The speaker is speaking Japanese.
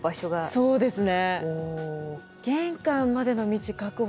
そうですね。